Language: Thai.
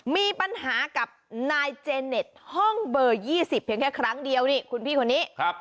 มีปัญหากับนายเจเน็ตห้องเบอร์๒๐เพียงแค่ครั้งเดียวนี่คุณพี่คนนี้